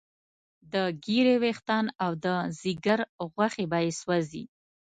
د ږیرې ویښتان او د ځیګر غوښې به یې سوځي.